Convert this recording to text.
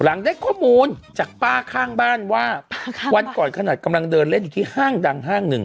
หลังได้ข้อมูลจากป้าข้างบ้านว่าวันก่อนขนาดกำลังเดินเล่นอยู่ที่ห้างดังห้างหนึ่ง